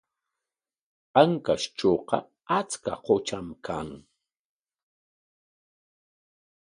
Ancashtrawqa achka qutram kan.